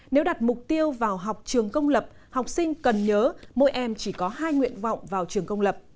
nếu đặt mục tiêu vào học trường công lập học sinh cần nhớ mỗi em chỉ có hai nguyện vọng vào trường công lập